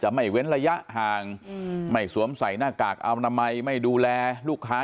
ไม่เว้นระยะห่างไม่สวมใส่หน้ากากอนามัยไม่ดูแลลูกค้า